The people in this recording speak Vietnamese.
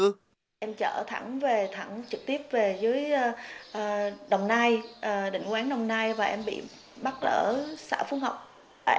em chở thẳng về thẳng trực tiếp về dưới đồng nai định quán đồng nai và em bị bắt ở xã phú ngọc